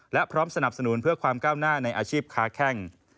และพร้อมสนับสนุนเพื่อความก้าวหน้าในอาชีพค้าแข้ง